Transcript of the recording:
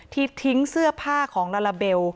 ที่ทิ้งเสื้อผ้าของลาลาเบล